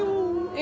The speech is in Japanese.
え？